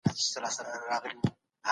اسلامي تمدن په ساینس کي پرمختللی و.